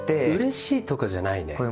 いやうれしいとかじゃないね。